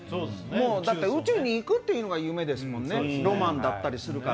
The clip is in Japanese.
だって宇宙に行くというのが夢ですもんね、ロマンだったりするから。